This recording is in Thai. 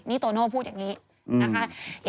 นี่โตโน่พูดอย่างนี้นะคะ